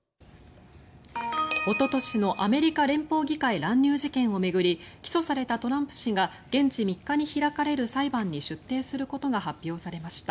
おととしのアメリカ連邦議会乱入事件を巡り起訴されたトランプ氏が現地３日に開かれる裁判に出廷することが発表されました。